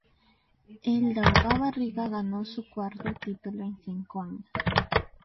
El Daugava Riga ganó su cuarto título en cinco años.